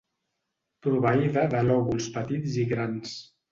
Proveïda de lòbuls petits i grans.